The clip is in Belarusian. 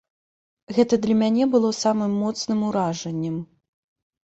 Гэта для мяне было самым моцным уражаннем.